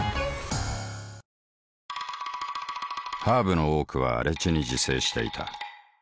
ハーブの多くは荒地に自生していた。